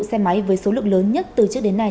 xe máy với số lượng lớn nhất từ trước đến nay